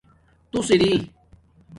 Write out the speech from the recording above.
تُݸس اری